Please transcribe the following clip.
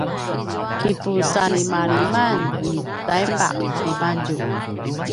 kipusalimaliman i taipaq timadju